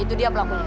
itu dia pelakunya